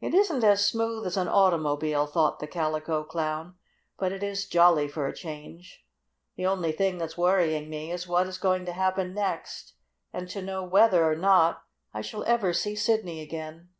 "It isn't as smooth as an automobile," thought the Calico Clown, "but it is jolly for a change. The only thing that's worrying me is what is going to happen next; and to know whether or not I shall ever see Sidney again."